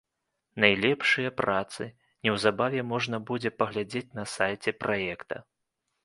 Найлепшыя працы, неўзабаве можна будзе паглядзець на сайце праекта.